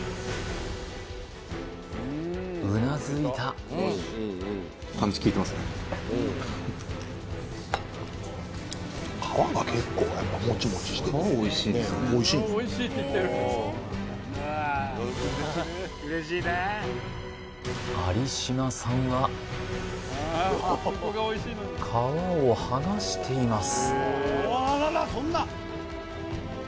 うなずいた皮おいしいですね有島さんは皮を剥がしています